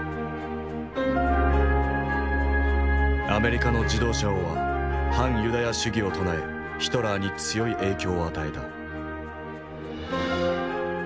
アメリカの自動車王は反ユダヤ主義を唱えヒトラーに強い影響を与えた。